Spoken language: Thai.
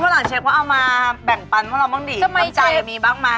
พอเมื่อหลังเชฟว่าเอามาแบ่งปันว่าเราบ้างดีน้ำจ่ายมีบ้างมั้ย